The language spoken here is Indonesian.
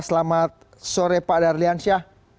selamat sore pak darlian syah